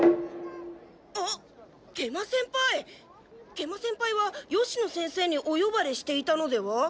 食満先輩は吉野先生にお呼ばれしていたのでは？